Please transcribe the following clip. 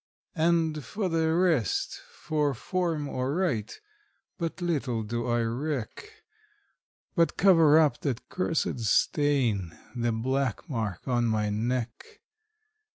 And for the rest for form or rite but little do I reck; But cover up that cursed stain _the black mark on my neck!